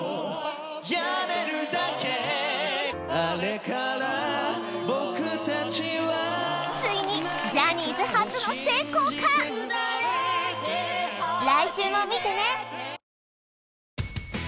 やれるだけあれからぼくたちはついにジャニーズ初の成功か生まれてはじめて来週も見てね！